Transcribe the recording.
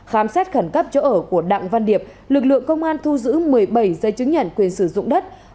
khám xét khẩn cấp chỗ ở của đặng văn điệp lực lượng công an thu giữ một mươi bảy giấy chứng nhận quyền sử dụng đất